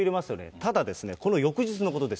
ただですね、この翌日のことです。